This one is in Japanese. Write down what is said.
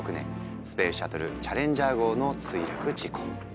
スペースシャトルチャレンジャー号の墜落事故。